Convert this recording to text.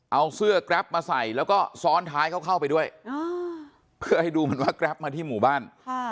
เอาเสื้อแกรปมาใส่แล้วก็ซ้อนท้ายเขาเข้าไปด้วยเพื่อให้ดูเหมือนว่าแกรปมาที่หมู่บ้าน